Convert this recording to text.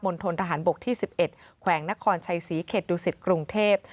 ณฑนทหารบกที่๑๑แขวงนครชัยศรีเขตดุสิตกรุงเทพ